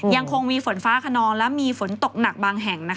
ยังคงมีฝนฟ้าขนองและมีฝนตกหนักบางแห่ง